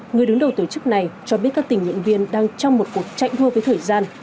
người đứng đầu tổ chức này cho biết các tình nguyện viên đang trong một cuộc chạy đua với thời gian